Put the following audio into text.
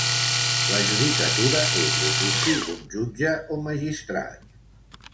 La judicatura és l'ofici d'un jutge o magistrat.